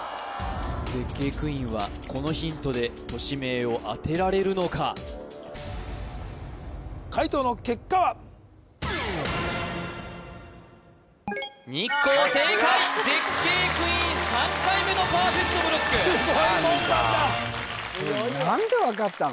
絶景クイーンはこのヒントで都市名を当てられるのか解答の結果は絶景クイーン３回目のすごい門番だ何で分かったの？